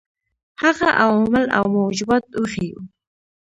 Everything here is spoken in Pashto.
هغه عوامل او موجبات وښيیو.